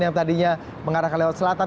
yang tadinya mengarahkan lewat selatan